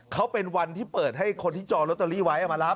เขาเป็นวันที่เปิดให้คนที่จองลอตเตอรี่ไว้มารับ